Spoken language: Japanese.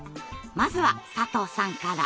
まずは佐藤さんから。